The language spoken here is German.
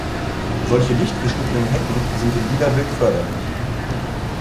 Solche dicht geschnittenen Hecken sind dem Niederwild förderlich.